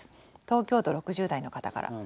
東京都６０代の方から。